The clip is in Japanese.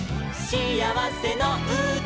「しあわせのうた」